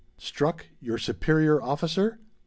"Struck your superior officer?"